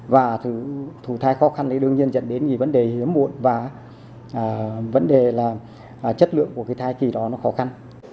và thử thai khó khăn thì đương nhiên dẫn đến cái vấn đề hiếm muộn và vấn đề là chất lượng của cái thai kỳ đó nó khó khăn